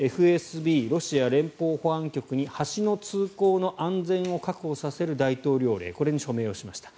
ＦＳＢ・ロシア連邦保安局に橋の通行の安全を確保させる大統領令に署名しました。